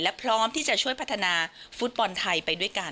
และพร้อมที่จะช่วยพัฒนาฟุตบอลไทยไปด้วยกัน